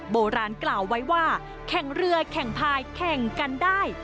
โบราณกล่าวไว้ว่าแข่งเรือแข่งพายแข่งกันได้